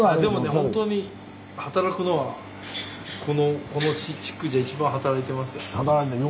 本当に働くのはこの地区じゃ一番働いてますよ。